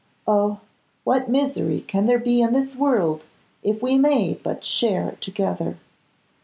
Oh! what misery can there be in this world if we may but share it together?